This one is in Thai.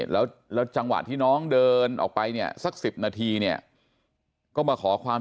แล้วจังหวะที่น้องเดินออกไปเนี่ยสัก๑๐นาทีเนี่ยก็มาขอความ